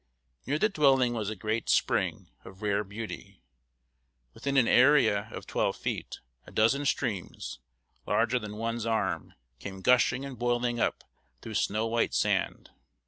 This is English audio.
Near the dwelling was a great spring, of rare beauty. Within an area of twelve feet, a dozen streams, larger than one's arm, came gushing and boiling up through snow white sand.